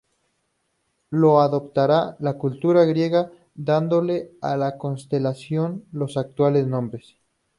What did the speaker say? Lo adoptará la cultura griega, dándole a las constelaciones los actuales nombres.